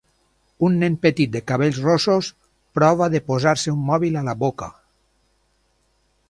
Un nen petit de cabells rossos prova de posar-se un mòbil a la boca.